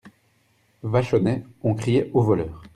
Vachonnet On criait au voleur !